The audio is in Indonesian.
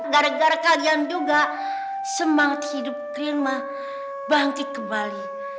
gara gara kalian juga semangat hidup kerenma bangkit kembali